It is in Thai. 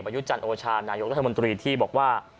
มายุจรรย์โอชาธิ์นายกรัฐมนตรีที่บอกว่า